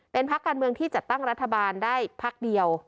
เป็นพักการเมืองที่จัดตั้งรัฐบาลได้พักเดียว